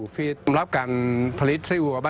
มีกลิ่นหอมกว่า